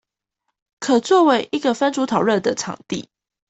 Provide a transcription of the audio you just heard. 可作為一個分組討論的場地